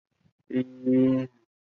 遗体于火化后迁往美国旧金山寓所。